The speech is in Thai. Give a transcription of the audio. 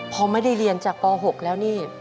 พอไม่ได้เรียนจากป๖แล้วนี่